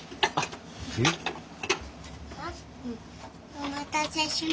お待たせしました。